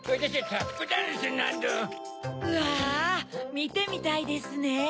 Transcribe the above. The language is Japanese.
みてみたいですね。